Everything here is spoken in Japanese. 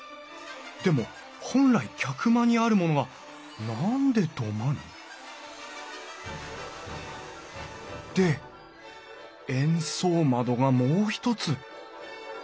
でも本来客間にあるものが何で土間に？で円相窓がもう一つ。